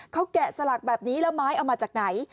เขาแกะสลักแบบนี้แล้วไม้เอามาจากไหน